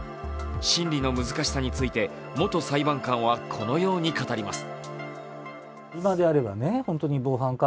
審理の難しさについて元裁判官はこのように語ります。